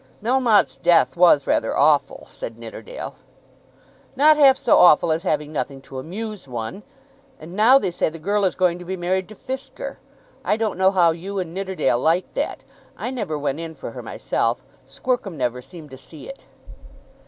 "Melmotte's death was rather awful," said Nidderdale. "Not half so awful as having nothing to amuse one. And now they say the girl is going to be married to Fisker. I don't know how you and Nidderdale like that. I never went in for her myself. Squercum never seemed to see it."